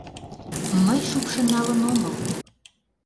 Мый шупшын налын омыл.